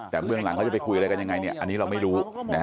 แต่เบื้องหลังเขาจะไปคุยอะไรกันยังไงอันนี้เราไม่รู้